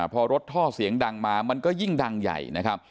พอรถท่อเสียงดังมามันก็ยิ่งดังใหญ่นะครับ